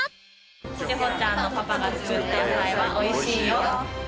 千穂ちゃんのパパが作ったお野菜はおいしいよ！